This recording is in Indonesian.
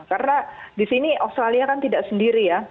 karena di sini australia kan tidak sendiri ya